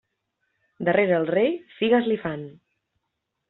Darrere el rei, figues li fan.